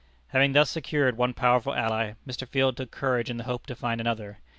Having thus secured one powerful ally, Mr. Field took courage in the hope to find another.